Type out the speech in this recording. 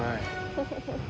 フフフッ。